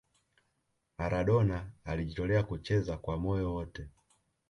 maradona alijitolea kucheza kwa moyo wote